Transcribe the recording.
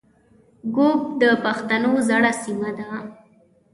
ږوب د پښتنو زړه سیمه ده